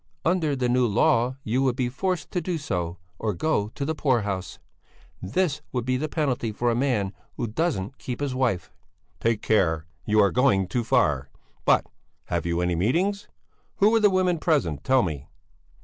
"Under the new law you would be forced to do so, or go to the poor house. This would be the penalty for a man who doesn't keep his wife." "Take care! You are going too far! But, have you any meetings? Who were the women present? Tell me?"